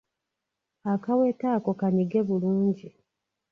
Akaweta ako kanyige bulungi.